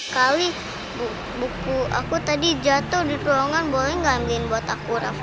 kali buku aku tadi jatuh di ruangan boleh nggak ambilin buat aku